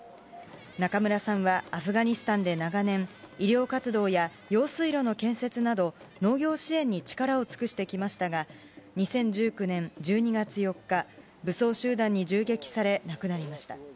中村さんはアフガニスタンで長年、医療活動や用水路の建設など、農業支援に力を尽くしてきましたが、２０１９年１２月４日、武装集団に銃撃され、亡くなりました。